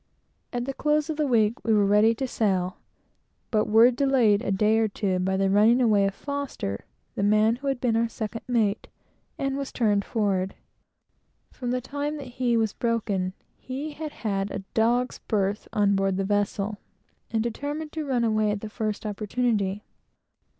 At the close of the week we were ready to sail, but were delayed a day or two by the running away of F , the man who had been our second mate, and was turned forward. From the time that he was "broken," he had had a dog's berth on board the vessel, and determined to run away at the first opportunity.